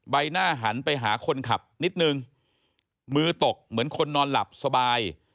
ใบหน้าหันไปหาคนขับนิดนึงมือตกเหมือนคนนอนหลับสบาย